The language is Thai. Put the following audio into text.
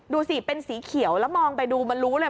ดูสิเป็นสีเขียวแล้วมองไปดูมันรู้เลย